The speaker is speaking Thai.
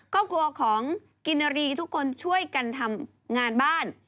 ครอบครัวของกินรีทุกคนช่วยกันทำงานบ้าน